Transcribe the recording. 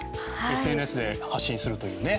ＳＮＳで発信するというね。